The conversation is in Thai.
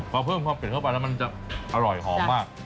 พอเพิ่มความเผ็ดเข้าไปแล้วมันจะอร่อยหอมมาก